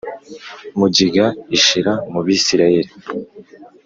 mugiga ishira mu Bisirayeli